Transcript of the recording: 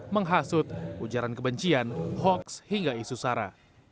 menghasut ujaran kebencian hoaks hingga isu sara